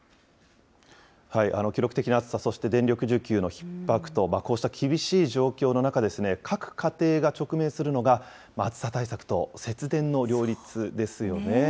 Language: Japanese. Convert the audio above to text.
記録的な暑さ、そして電力需給のひっ迫と、こうした厳しい状況の中ですね、各家庭が直面するのが、暑さ対策と節電の両立ですよね。